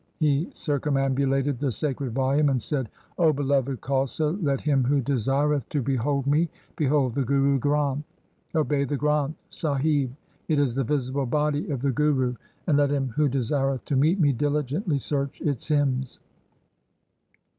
he circumambulated the sacred volume and said, ' O beloved Khalsa, let him who desireth to behold me, behold the Guru Granth. Obey the Granth Sahib. It is the visible body of the Guru. And let him who desireth to meet me diligently search its hymns.'